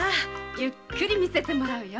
ゆっくり見せてもらうよ。